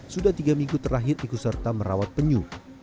sudah tiga minggu terakhir ikut serta merawat penyu